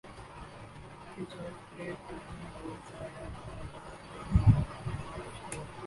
کس حرف پہ تو نے گوشۂ لب اے جان جہاں غماز کیا